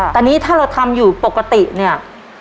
แต่นี่ถ้าเราทำอยู่ปกติเนี่ย